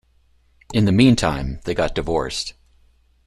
In the meantime, they got divorced.